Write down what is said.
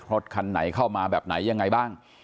รถคันไหนเข้ามาแบบไหนยังไงบ้าง